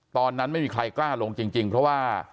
ตอนนั้นไม่มีใครกล้าลงจริงเพราะว่า